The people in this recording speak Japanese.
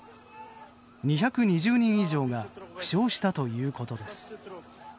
２２０人以上が負傷したということです。